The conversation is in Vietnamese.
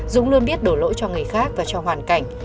dũng luôn biết đổ lỗi cho người khác và cho hoàn cảnh